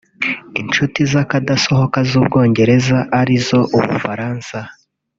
Inshuti z’akadasohoka z’Ubwongereza arizo Ubufaransa